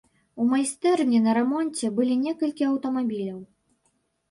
У майстэрні на рамонце былі некалькі аўтамабіляў.